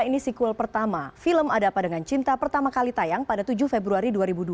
ini sequel pertama film ada apa dengan cinta pertama kali tayang pada tujuh februari dua ribu dua puluh